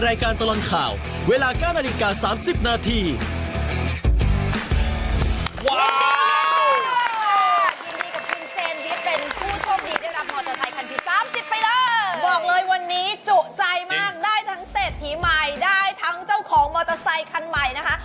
ได้ทั้งเจ้าของมอเตอร์ไทยคันใหม่นะคะ